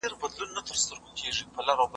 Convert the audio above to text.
مالونه په ناحقه ګټل حرام دي.